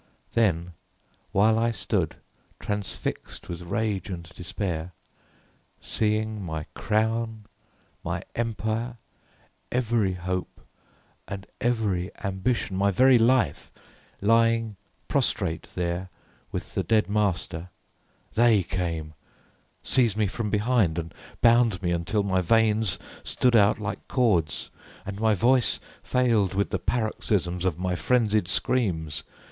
Then while I stood, transfixed with rage and despair, seeing my crown, my empire, every hope and every ambition, my very life, lying prostrate there with the dead master, they came, seized me from behind, and bound me until my veins stood out like cords, and my voice failed with the paroxysms of my frenzied screams.